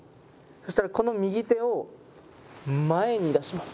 そうしたらこの右手を前に出します。